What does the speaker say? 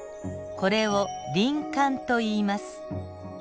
これを林冠といいます。